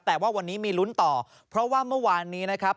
แต่ว่าวันนี้มีลุ้นต่อเพราะว่าเมื่อวานนี้นะครับ